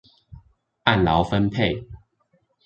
按勞分配